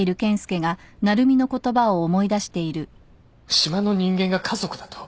島の人間が家族だと？